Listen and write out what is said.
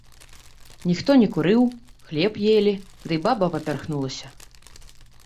Ніхто не курыў, хлеб елі, ды баба папярхнулася.